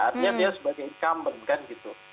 artinya dia sebagai incumbent kan gitu